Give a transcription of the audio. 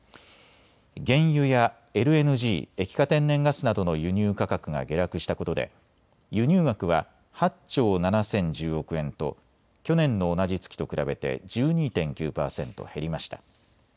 原油やＬＮＧ・液化天然ガスなどの輸入価格が下落したことで輸入額は８兆７０１０億円と去年の同じ月と比べて１２．９％減りました。